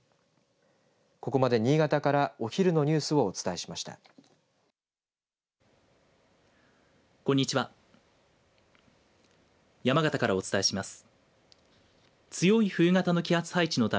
ここまで新潟からお昼のニュースをお伝えしました。